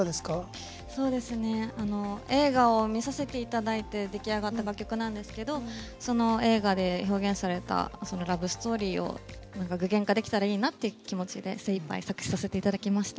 映画を見させていただいて出来上がった楽曲なんですがその映画で表現されたラブストーリーを具現化できたらいいなっていう気持ちで精いっぱい作詞させていただきました。